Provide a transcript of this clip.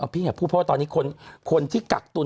พี่อย่าพูดเพราะว่าตอนนี้คนที่กักตุล